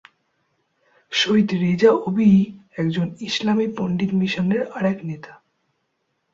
শহীদ Reza OBE, একজন ইসলামী পণ্ডিত মিশনের আরেক নেতা।